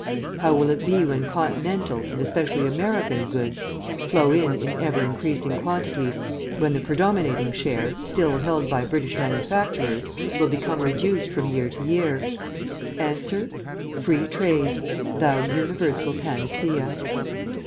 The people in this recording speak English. How will it be when Continental, and especially American, goods flow in in ever increasing quantities when the predominating share, still held by British manufacturers, will become reduced from year to year? Answer, Free Trade, thou universal panacea.